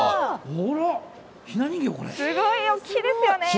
すごい大きいですよね。